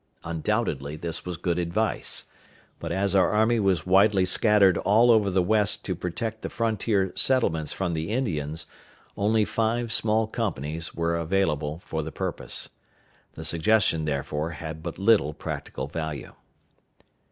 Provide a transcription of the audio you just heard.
Undoubtedly this was good advice; but as our army was widely scattered all over the West to protect the frontier settlements from the Indians, only five small companies were available for the purpose. The suggestion, therefore, had but little practical value.